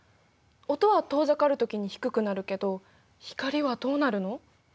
音は遠ざかるときに低くなるけど光はどうなるの？